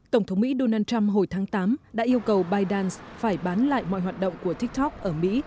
tổng thống mỹ donald trump hồi tháng tám đã yêu cầu bytedance phải bán lại mọi hoạt động của tiktok ở mỹ